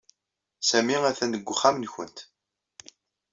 Sami atan deg uxxam-nwent.